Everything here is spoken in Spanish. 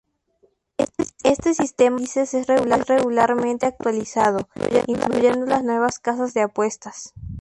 Este sistema de índices es regularmente actualizado, incluyendo las nuevas casas de apuestas.